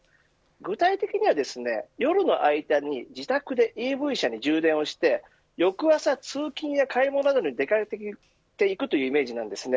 具体的には、夜の間に自宅でＥＶ車に充電をして翌朝通勤や買い物などに出掛けていくというイメージです。